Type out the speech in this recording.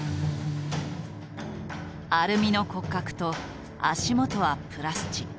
アルミの骨格と足元はプラスチック。